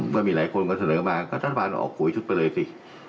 ว่ามีหลายคนก็เสนอมาก็ท่านท่านบ้านออกโขยชุดไปเลยสิ